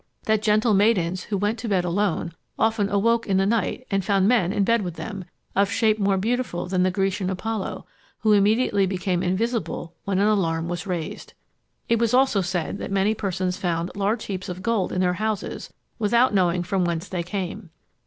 That gentle maidens, who went to bed alone, often awoke in the night and found men in bed with them, of shape more beautiful than the Grecian Apollo, who immediately became invisible when an alarm was raised. It was also said that many persons found large heaps of gold in their houses without knowing from whence they came.